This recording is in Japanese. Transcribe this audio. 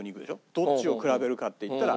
どっちを比べるかっていったら。